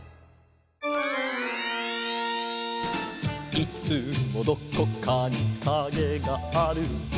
「いつもどこかにカゲがある」